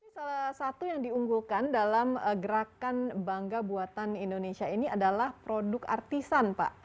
salah satu yang diunggulkan dalam gerakan bangga buatan indonesia ini adalah produk artisan pak